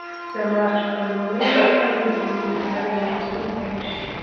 د مارچ په لومړۍ نېټه به زموږ د کرنې موسم پیل شي.